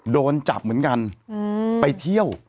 โดนจับเหมือนกันไปเที่ยว